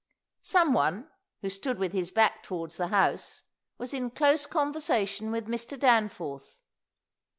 Some one, who stood with his back towards the house, was in close conversation with Mr. Danforth.